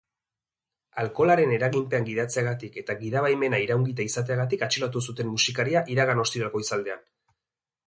Alkoholaren eraginpean gidatzeagatik eta gida-baimena iraungita izateagatik atxilotu zuten musikaria iragan ostiral goizaldean.